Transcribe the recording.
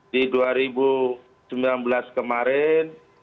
di dua ribu sembilan belas kemarin